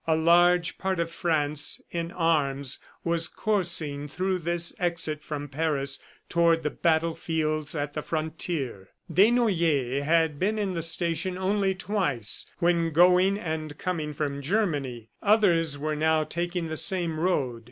A large part of France in arms was coursing through this exit from Paris toward the battlefields at the frontier. Desnoyers had been in the station only twice, when going and coming from Germany. Others were now taking the same road.